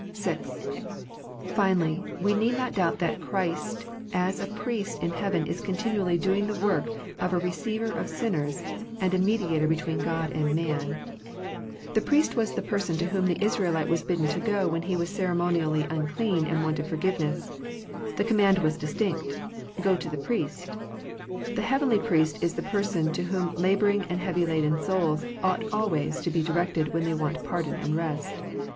(6) Finally, we need not doubt that Christ as a Priest in heaven is continually doing the work of a Receiver of sinners, and a Mediator between God and man. The priest was the person to whom the Israelite was bidden to go, when he was ceremonially unclean and wanted forgiveness. The command was distinct :" Go to the priest." The Heavenly Priest is the person to whom labouring and heavy laden souls ought always to be directed when they want pardon and rest.